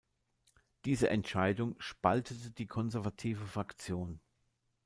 Diese Entscheidung spaltete die konservative Fraktion.